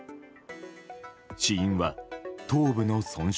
死因は頭部の損傷。